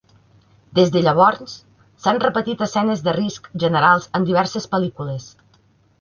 Des de llavors s'han repetit escenes de risc generals en diverses pel·lícules.